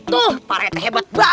tuh pak rt hebat banget